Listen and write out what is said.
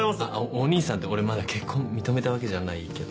お義兄さんって俺まだ結婚認めたわけじゃないけど。